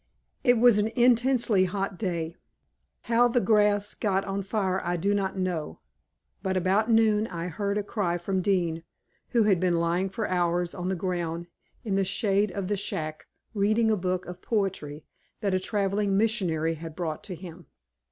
"It was an intensely hot day. How the grass got on fire I do not know, but about noon I heard a cry from Dean, who had been lying for hours on the ground in the shade of the shack reading a book of poetry that a traveling missionary had brought to him.